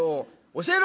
教えろ！」。